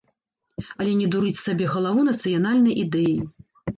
Але не дурыць сабе галаву нацыянальнай ідэяй.